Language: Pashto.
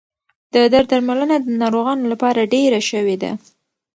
د درد درملنه د ناروغانو لپاره ډېره شوې ده.